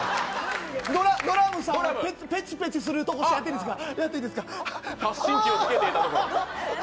ドラムさんをペチペチするところやっていいですか。